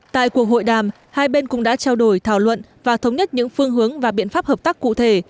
tại cuộc hội đàm hai bên cũng đã trao đổi thảo luận và thống nhất những phương hướng và biện pháp hợp tác cụ thể